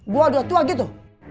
gue udah tua gitu